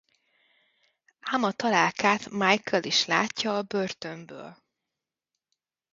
Ám a találkát Michael is látja a börtönből.